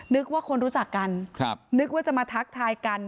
นึกว่าคนรู้จักกันนึกว่าจะมาทักทายกัน